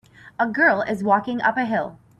A girl is walking up a hill.